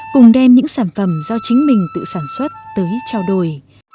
cùng đem những sản phẩm do chính mình tự sản xuất tới trao đổi